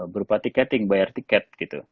berupa tiketing bayar tiket gitu